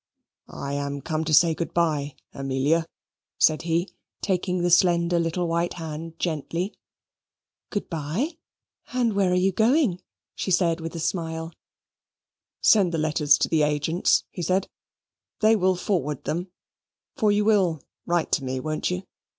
"I am come to say good bye, Amelia," said he, taking her slender little white hand gently. "Good bye? and where are you going?" she said, with a smile. "Send the letters to the agents," he said; "they will forward them; for you will write to me, won't you?